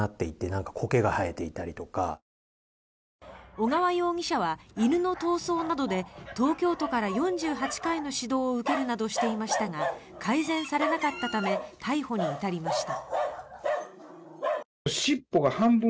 尾川容疑者は犬の逃走などで東京都から４８回の指導を受けるなどしていましたが改善されなかったため逮捕に至りました。